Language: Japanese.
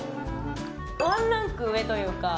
ワンランク上というか。